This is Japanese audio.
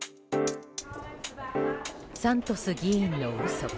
サントス議員の嘘。